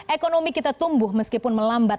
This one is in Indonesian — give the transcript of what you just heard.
ekonomi kita tumbuh meskipun melambat